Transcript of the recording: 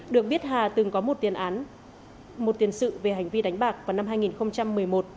được biết hà từng có một tiền sự về hành vi đánh bạc vào năm hai nghìn một mươi một